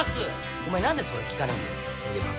お前何でそれ聞かないんだよ。